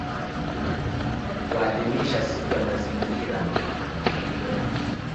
kuadhimisha Siku ya Mazingira Duniani